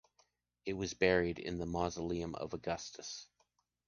It was buried in the Mausoleum of Augustus.